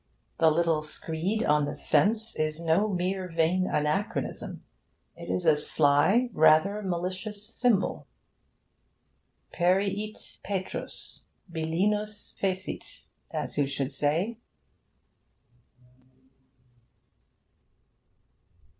The little screed on the fence is no mere vain anachronism. It is a sly, rather malicious symbol. PERIIT PETRUS: BILLINUS FECIT, as who should say.